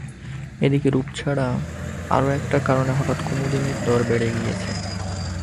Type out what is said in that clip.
এ দিকে রূপ ছাড়া আরো একটা কারণে হঠাৎ কুমুদিনীর দর বেড়ে গিয়েছে।